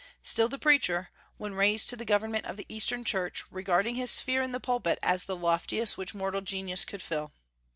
Still the preacher, when raised to the government of the Eastern church, regarding his sphere in the pulpit as the loftiest which mortal genius could fill.